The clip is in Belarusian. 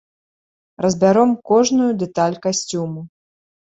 Разбяром кожную дэталь касцюму.